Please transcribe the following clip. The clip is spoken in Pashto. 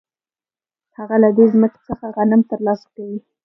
هغه له دې ځمکې څخه غنم ترلاسه کوي